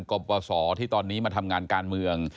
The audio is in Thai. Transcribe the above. ปปศที่ตอนนี้มาทำงานการเมือง